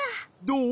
どう？